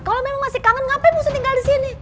kalau memang masih kangen ngapain usah tinggal di sini